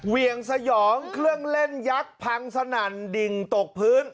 เหวี่ยงสยองเครื่องเล่นยักษ์พังสนั่นดิ่งตกพื้น